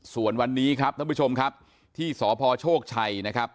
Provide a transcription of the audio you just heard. ส่วนวันนี้ครับท่านผู้ชมครับที่สพโชคชัยนะครับ